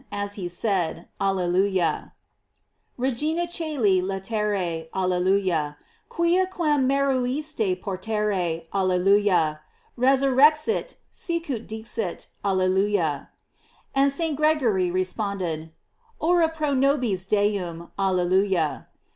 711 as he said, Alleluia: "Regina coeli, laetare, Alle luia; quia quern meruisti portare Alleluia; resur rexit, sicut dixit, Alleluia." And St. Gregory responded: "Ora pro nobis Deum, Alleluia."